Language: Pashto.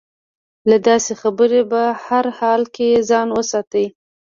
له داسې خبرې په هر حال کې ځان وساتي.